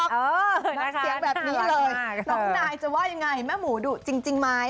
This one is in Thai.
เสียงแบบนี้เลยน้องนายจะว่ายังไงแม่หมูดุจริงไหม